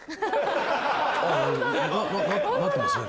あなってますね